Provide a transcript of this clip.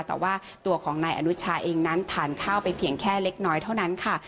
แต่ว่าตัวของนายอนุชาเองนั้นทานข้าวไปเพียงแค่เล็กน้อยเท่านั้นค่ะ